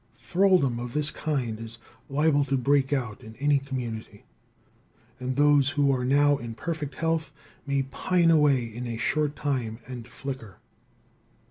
Thralldom of this kind is liable to break out in any community, and those who are now in perfect health may pine away in a short time and flicker.